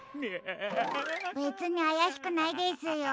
べつにあやしくないですよ。